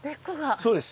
そうです。